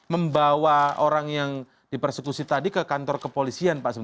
membawa orang yang dipersekusi tadi ke kantor kepolisian pak